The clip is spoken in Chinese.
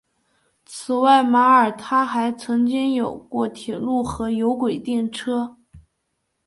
此外马尔他还曾经有过铁路和有轨电车。